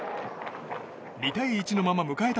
２対１のまま迎えた